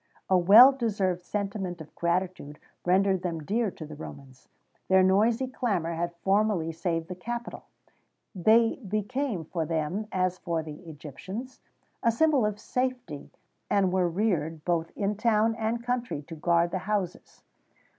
[XVII 59] A well deserved sentiment of gratitude rendered them dear to the Romans: their noisy clamour had formerly saved the Capitol.[XVII 60] They became for them, as for the Egyptians,[XVII 61] a symbol of safety, and were reared, both in town and country, to guard the houses.